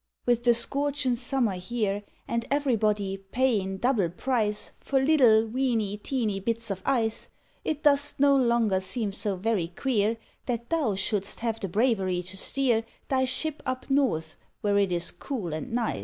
With the scorchin summer here And everybody payin double price For little weeny, teeny bits of ice, It dost no longer seem so very queer That thou shouldst have the bravery to steer Thy ship up North where it is cool and nice.